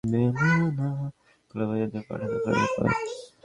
অবরোধে চট্টগ্রাম থেকে সারা দেশে খোলা ভোজ্যতেল পাঠানোর পরিমাণ কমে গেছে।